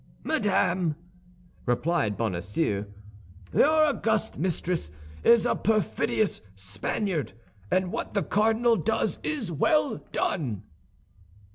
"Madame," replied Bonacieux, "your august mistress is a perfidious Spaniard, and what the cardinal does is well done."